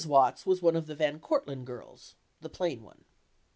Watts was one of the Van Cortlandt girls (the plain one).